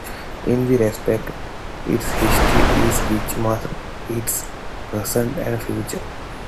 In that respect, its history is very much its present and future.